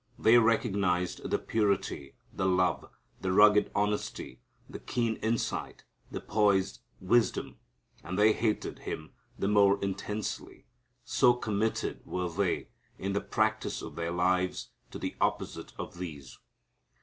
They recognized the purity, the love, the rugged honesty, the keen insight, the poised wisdom, and they hated Him the more intensely, so committed were they in the practice of their lives to the opposite of these.